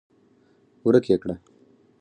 ورک يې کړه!